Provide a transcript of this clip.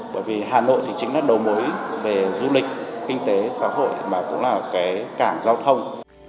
bởi vì hà nội thì chính là đầu mối về du lịch kinh tế xã hội mà cũng là cái cảng giao thông